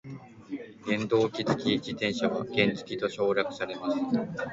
原動機付き自転車は原付と省略されます。